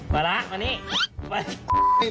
มาละมานี่